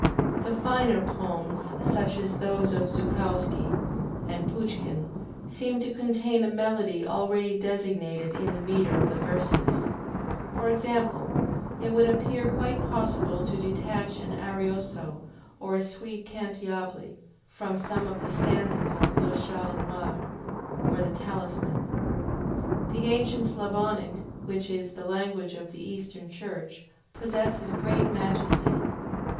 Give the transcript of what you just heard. The finer poems, such as those of Zukowski and Pouchkin, seem to contain a melody already designated in the metre of the verses; for example, it would appear quite possible to detach an ARIOSO or a sweet CANTIABLE from some of the stanzas of LE CHALE NOIR, or the TALISMAN. The ancient Sclavonic, which is the language of the Eastern Church, possesses great majesty.